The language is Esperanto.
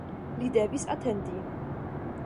Li devis atendi.